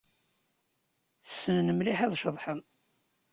Ssnen mliḥ ad ceḍḥen.